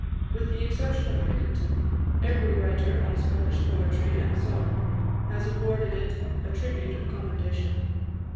With the exception of Pinkerton, every writer on Scottish poetry and song has awarded it a tribute of commendation.